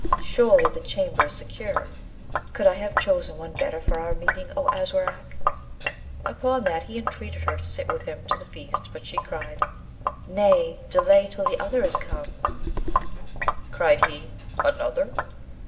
Surely the chamber is secure: could I have chosen one better for our meeting, O Aswarak?' Upon that he entreated her to sit with him to the feast, but she cried, 'Nay! delay till the other is come.' Cried he, 'Another?'